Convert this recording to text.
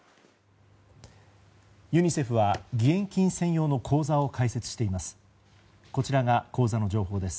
ユニセフは義援金専用の口座を開設しています。